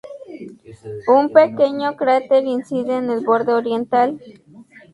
Un pequeño cráter incide en el borde oriental.